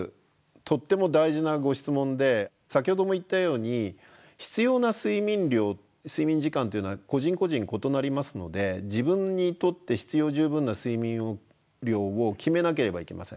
とっても大事なご質問で先ほども言ったように必要な睡眠量睡眠時間というのは個人個人異なりますので自分にとって必要十分な睡眠量を決めなければいけません。